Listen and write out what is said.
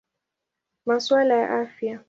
Masuala ya Afya.